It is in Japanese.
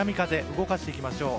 動かしていきましょう。